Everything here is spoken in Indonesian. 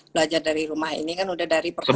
belajar dari rumah ini kan udah dari pertama